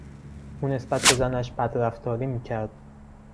او نسبت به زنش بدرفتاری میکرد.